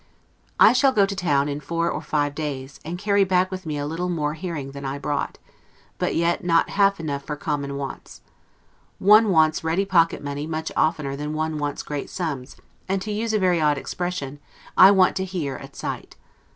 I shall go to town in four or five days, and carry back with me a little more hearing than I brought; but yet, not half enough for common wants. One wants ready pocket money much oftener than one wants great sums; and to use a very odd expression, I want to hear at sight.